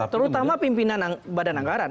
terutama pimpinan badan anggaran